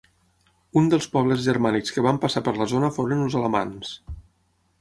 Un dels pobles germànics que van passar per la zona foren els alamans.